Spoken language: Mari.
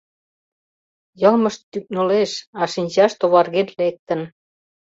Йылмышт тӱкнылеш, а шинчашт оварген лектын.